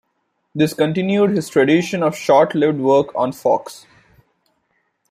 This continued his tradition of short-lived work on Fox.